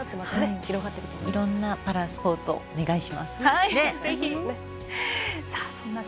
いろんなパラスポーツをお願いします。